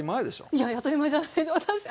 いやいや当たり前じゃない私の。